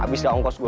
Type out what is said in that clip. abis dah ongkos gua